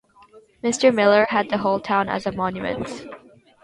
Mr. Miller had the whole town as a monument.